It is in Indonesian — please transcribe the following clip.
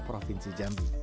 dan juga di kota jambi